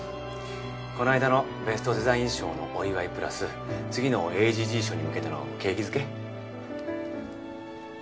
こないだのベストデザイン賞のお祝いプラス次のＡＧＧ賞にむけての景気づけ。